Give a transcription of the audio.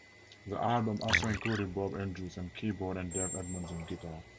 The album also included Bob Andrews on keyboard and Dave Edmunds on guitar.